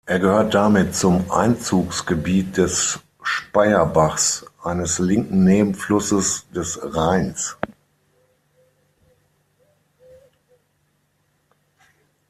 Er gehört damit zum Einzugsgebiet des Speyerbachs, eines linken Nebenflusses des Rheins.